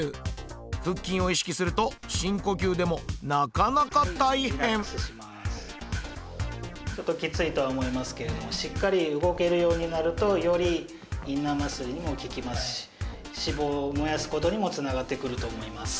腹筋を意識すると深呼吸でもなかなか大変ちょっときついとは思いますけれどもしっかり動けるようになるとよりインナーマッスルにも効きますし脂肪を燃やすことにもつながってくると思います。